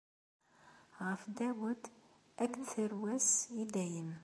Ɣef Dawed akked tarwa-s, i dayem.